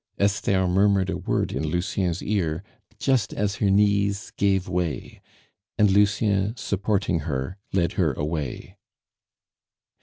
Esther murmured a word in Lucien's ear just as her knees gave way, and Lucien, supporting her, led her away.